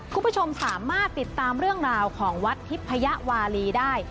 คุณผู้ชมสามารถติดตามเรื่องราวของวัดทิพยวาลีได้